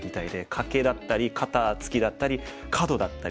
カケだったり肩ツキだったりカドだったり。